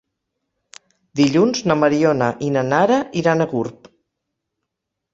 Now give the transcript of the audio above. Dilluns na Mariona i na Nara iran a Gurb.